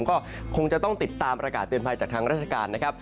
ก็คงจะต้องติดตามประกาศเตือนภัยจากทางราชการนะครับ